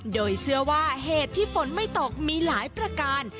โดยเชื่อว่าเหตุที่ฝนไม่ตกมีหลายประการ